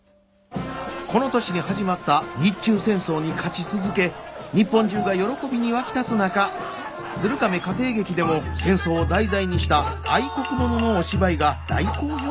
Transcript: この年に始まった日中戦争に勝ち続け日本中が喜びに沸き立つ中鶴亀家庭劇でも戦争を題材にした愛国もののお芝居が大好評でした。